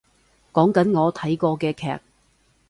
講緊我睇過嘅劇